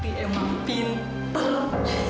surat pmm pin belum